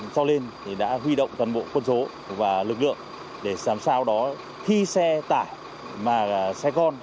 cho nên đã huy động toàn bộ quân số và lực lượng để làm sao đó khi xe tải mà xe con